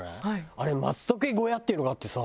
あれ松茸小屋っていうのがあってさ。